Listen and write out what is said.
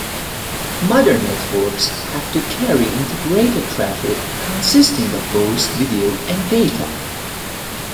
Modern networks have to carry integrated traffic consisting of voice, video and data.